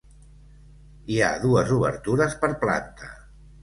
Hi ha dues obertures per planta.